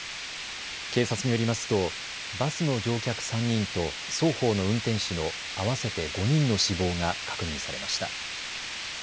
警察によりますとバスの乗客３人と双方の運転手の合わせて５人の死亡が確認されました。